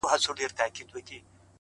اوس چي زه ليري بل وطن كي يمه،